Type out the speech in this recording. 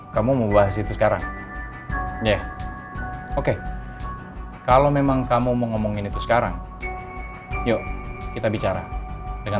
kamu membahas itu sekarang yeh oke kalau memang kamu mau ngomongin itu sekarang yuk kita bicara dengan